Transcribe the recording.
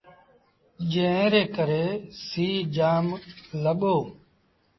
جݩهݩ ري ڪري سيٚ جآم لڳو۔